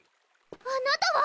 あなたは！